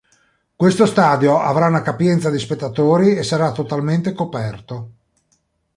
Questo stadio avrà una capienza di spettatori e sarà totalmente coperto.